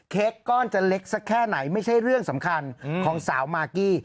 ก้อนจะเล็กสักแค่ไหนไม่ใช่เรื่องสำคัญของสาวมากกี้